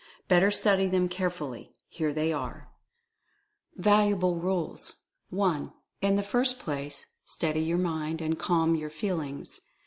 Better study them carefully. Here they are: VALUABLE RULES. i. In the first place, steady your mind, and calm your feelings.